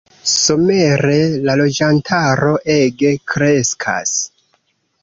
Somere la loĝantaro ege kreskas.